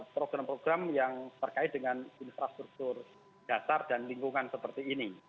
program program yang terkait dengan infrastruktur dasar dan lingkungan seperti ini